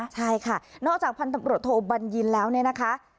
ใช่ค่ะนอกจากพันธบรวจโทบัญญินแล้วเนี่ยนะคะ